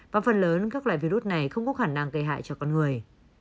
và phần lớn các loại virus này không có khả năng gây hại cho con người